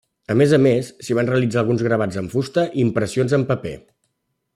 A més a més, se'n van realitzar alguns gravats en fusta i impressions en paper.